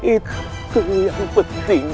itu yang penting